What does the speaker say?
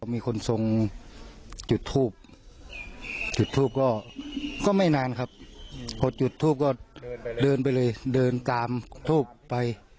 มีคนทรงจุดทรูป